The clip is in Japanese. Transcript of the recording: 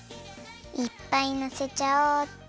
いっぱいのせちゃおう！